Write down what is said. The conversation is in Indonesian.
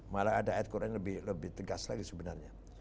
malah ada ayat quran yang lebih tegas lagi sebenarnya